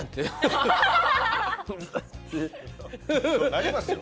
なりますよ。